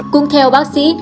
cùng theo bác sĩ